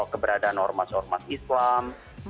keberadaan ormas ormas islam